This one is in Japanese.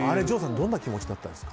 どんな気持ちだったんですか？